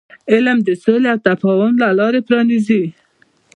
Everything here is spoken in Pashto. علم د سولې او تفاهم لار پرانیزي.